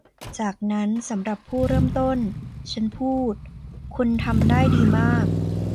'จากนั้นสำหรับผู้เริ่มต้น' ฉันพูด 'คุณทำได้ดีมาก'